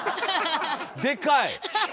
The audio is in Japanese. でかい！